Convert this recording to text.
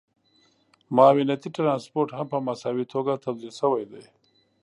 معاونيتي ټرانسپورټ هم په مساوي توګه توزیع شوی دی